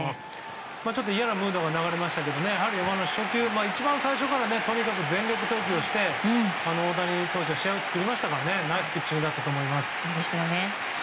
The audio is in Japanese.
ちょっと嫌なムードが流れましたけど一番最初からとにかく全力投球して大谷投手が試合を作りましたからねナイスピッチングだったと思います。